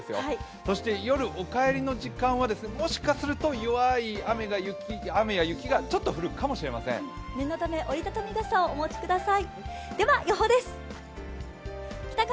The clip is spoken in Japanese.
そして夜、お帰りの時間はもしかすると弱い雨や雪が念のため折り畳み傘をお持ちください。